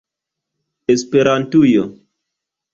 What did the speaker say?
esperantujo